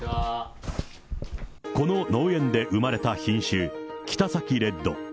この農園で生まれた品種、キタサキレッド。